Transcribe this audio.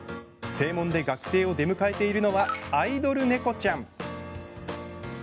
正門で学生を出迎えているのはアイドル猫ちゃん。